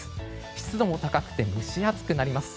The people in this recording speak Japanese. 湿度も高くて蒸し暑くなります。